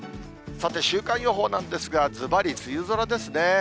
さて、週間予報なんですが、ずばり梅雨空ですね。